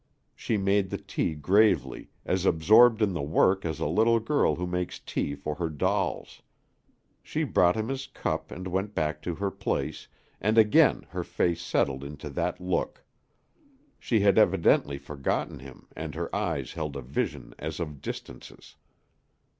She made the tea gravely, as absorbed in the work as a little girl who makes tea for her dolls. She brought him his cup and went back to her place and again her face settled into that look. She had evidently forgotten him and her eyes held a vision as of distances.